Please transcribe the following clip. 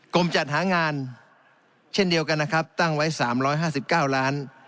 จัดหางานเช่นเดียวกันนะครับตั้งไว้๓๕๙ล้าน